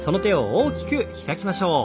大きく開きましょう。